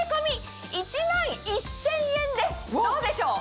どうでしょう？